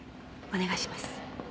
お願いします。